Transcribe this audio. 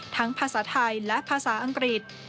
ภาษาไทยและภาษาอังกฤษ